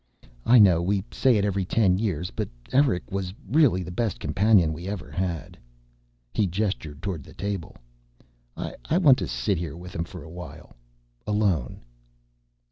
"I know we say it every ten years, but Eric was really the best companion we ever had." He gestured toward the table. "I want to sit here with him for a while alone."